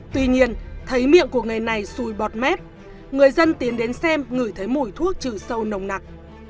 tuy nhiên thấy miệng của nghề này xùi bọt mép người dân tiến đến xem ngửi thấy mùi thuốc trừ sâu nồng nặc